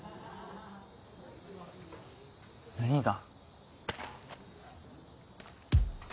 何が？